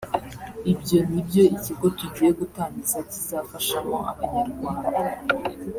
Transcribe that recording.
ibyo ni byo ikigo tugiye gutangiza kizafashamo Abanyarwanda”